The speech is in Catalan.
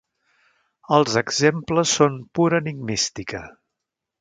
Els exemples són pura enigmística.